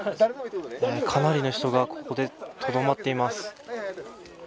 かなりの人がここでとどまっています。